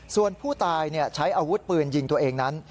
ส่วนผู้ตายใช้อาวุธปืนยิงตัวเองนั้น